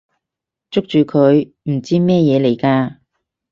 捉住佢！唔知咩嘢嚟㗎！